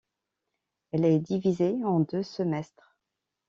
Elle est divisée en deux semestres.